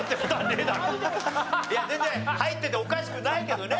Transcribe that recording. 全然入ってておかしくないけどね